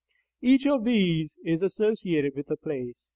Each of these is associated with a place.